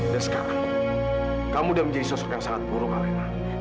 dan sekarang kamu udah menjadi sosok yang sangat buruk alena